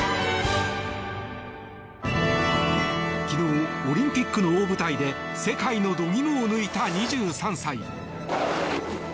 昨日、オリンピックの大舞台で世界の度肝を抜いた２３歳。